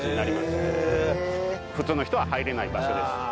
普通の人は入れない場所です。